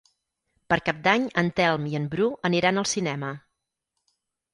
Per Cap d'Any en Telm i en Bru aniran al cinema.